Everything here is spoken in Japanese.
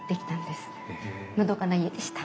のどかな家でした。